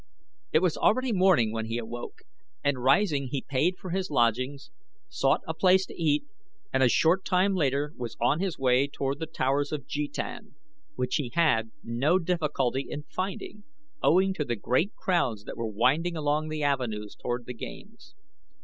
It was already morning when he awoke, and rising he paid for his lodgings, sought a place to eat, and a short time later was on his way toward The Towers of Jetan, which he had no difficulty in finding owing to the great crowds that were winding along the avenues toward the games.